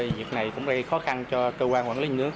việc này cũng gây khó khăn cho cơ quan quản lý nước